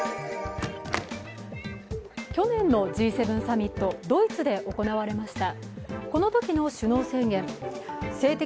去年のＧ７サミット、ドイツで行われました。